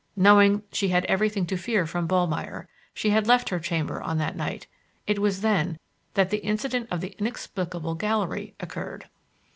Knowing that she had everything to fear from Ballmeyer, she had left her chamber on that night. It was then that the incident of the "inexplicable gallery" occurred.